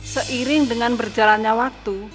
seiring dengan berjalannya waktu